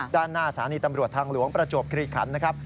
ด้านหน้าสถานีตำรวจทางหลวงประจวบคลีขันนะครับ